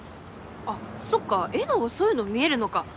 あっそっかえなはそういうの見えるのか。